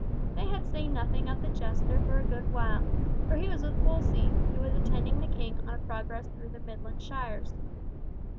They had seen nothing of the jester for a good while, for he was with Wolsey, who was attending the King on a progress through the midland shires.